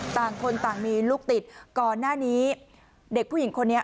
ต่างคนต่างมีลูกติดก่อนหน้านี้เด็กผู้หญิงคนนี้